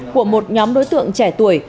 của một nhóm đối tượng trẻ tuổi